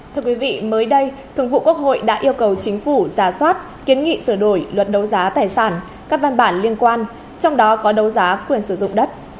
thưa quý vị mới đây thường vụ quốc hội đã yêu cầu chính phủ ra soát kiến nghị sửa đổi luật đấu giá tài sản các văn bản liên quan trong đó có đấu giá quyền sử dụng đất